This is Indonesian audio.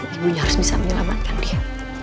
ibunya harus bisa menyelamatkan dia